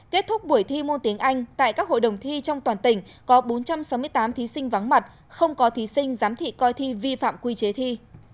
kết thúc buổi thi môn tiếng anh tại các hội đồng thi trong toàn tỉnh có bốn trăm sáu mươi tám thí sinh vắng mặt không có thí sinh giám thị coi thi vi phạm quy chế thi